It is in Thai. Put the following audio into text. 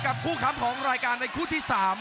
คู่ค้ำของรายการในคู่ที่๓